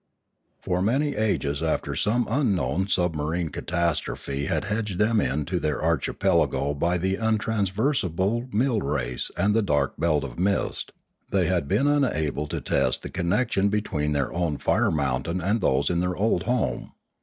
For many ages after some unknown submarine catas trophe had hedged them into their archipelago by the untraversible mill race and the dark belt of mist, they had been unable to test the connection between their own fire mountain and those in their old home.